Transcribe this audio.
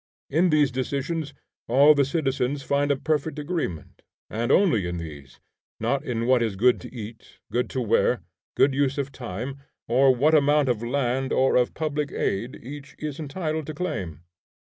In these decisions all the citizens find a perfect agreement, and only in these; not in what is good to eat, good to wear, good use of time, or what amount of land or of public aid, each is entitled to claim.